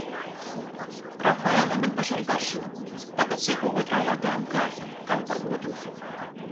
Rafaello man pašai garšo. Tagad seko otrā jautājumu kārta – kam par godu?